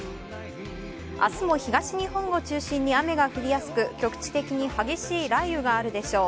明日も東日本を中心に雨が降りやすく、局地的に激しい雷雨があるでしょう。